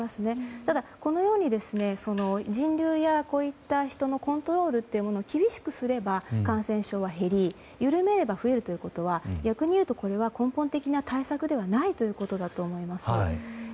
ただ、このように人流やこういった人のコントロールを厳しくすれば感染症は減り緩めれば増えるということは逆に言えば、根本的な対策ではないということだと思います。